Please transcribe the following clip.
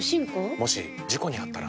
もし事故にあったら？